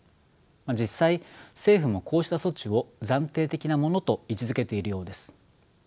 実際政府もこうした措置を暫定的なものと位置づけているようです。